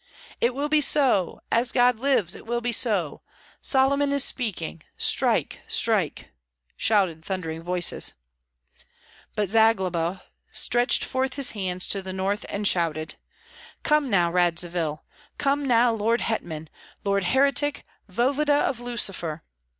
"It will be so! As God lives, it will be so! Solomon is speaking! Strike! strike!" shouted thundering voices. But Zagloba stretched forth his hands to the north, and shouted, "Come now, Radzivill! Come now, lord hetman, lord heretic, voevoda of Lucifer!